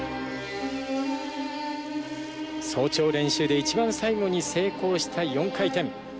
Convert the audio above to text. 早朝練習で一番最後に成功した４回転。